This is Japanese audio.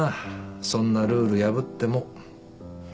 そんなルール破っても。